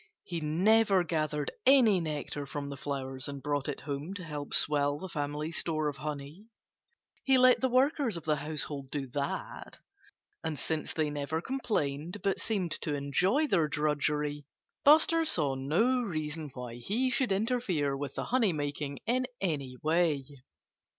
He never gathered any nectar from the flowers and brought it home to help swell the family store of honey. He let the workers of the household do that. And since they never complained, but seemed to enjoy their drudgery, Buster saw no reason why he should interfere with the honey making in any way.